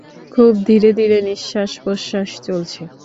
খুব ধীরে ধীরে নিশ্বাস-প্রশ্বাস চলছে।